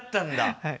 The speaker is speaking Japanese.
はい。